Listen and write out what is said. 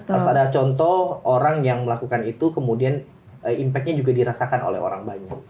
harus ada contoh orang yang melakukan itu kemudian impactnya juga dirasakan oleh orang banyak